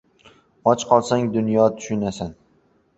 • Och qolsang — dunyoni tushunasan.